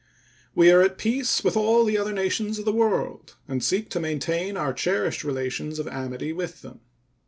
We are at peace with all the other nations of the world, and seek to maintain our cherished relations of amity with them.